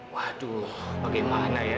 waduh bagaimana ya